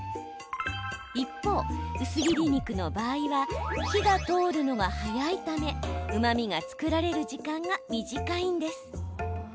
一方、薄切り肉の場合は火が通るのが早いためうまみが作られる時間が短いんです。